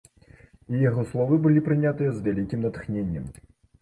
І яго словы былі прынятыя з вялікім натхненнем.